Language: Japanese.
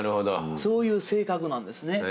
そういう性格なんですね。